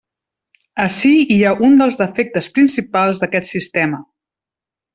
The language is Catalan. Ací hi ha un dels defectes principals d'aquest sistema.